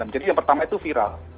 jadi yang pertama itu viral